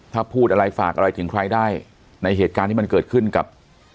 ถ้าพูดอะไรฝากอะไรถึงใครได้ในเหตุการณ์ที่มันเกิดขึ้นกับ